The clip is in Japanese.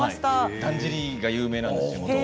だんじりが有名なんです。